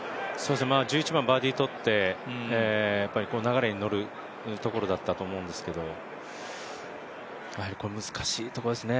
１１番バーディー取って流れに乗るところだったと思うんですけどやはり難しいところですね。